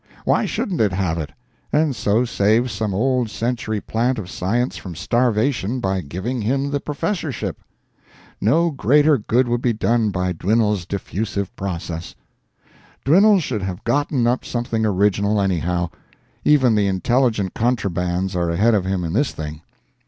Why shouldn't it have it and so save some old century plant of science from starvation by giving him the professorship? No greater good would be done by Dwinelle's diffusive process. Dwinelle should have gotten up something original, anyhow. Even the intelligent contrabands are ahead of him in this thing.